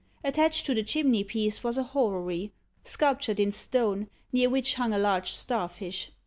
Attached to the chimney piece was a horary, sculptured in stone, near which hung a large starfish.